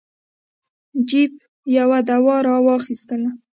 جیف یوه دوا را واخیستله.